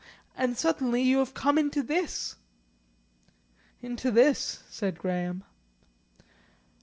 And suddenly, you have come into this!" "Into this," said Graham.